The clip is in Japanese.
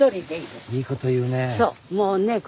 いいこと言うねぇ。